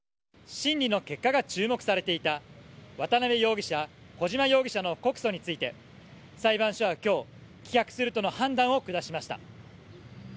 審理の結果が注目されていた渡辺容疑者、小島容疑者の告訴について裁判所は今日棄却するとの判断を下しました。